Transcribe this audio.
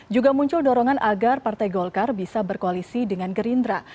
juga muncul dorongan agar partai golkar bisa berkoalisi dengan gerindra